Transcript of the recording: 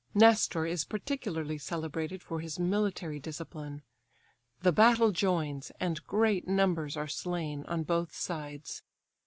Nestor is particularly celebrated for his military discipline. The battle joins, and great numbers are slain on both sides.